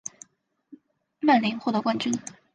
曼联获得冠军。